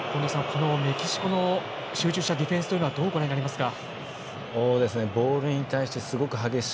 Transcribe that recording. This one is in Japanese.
このメキシコの集中したディフェンスというのはどうご覧になりますか？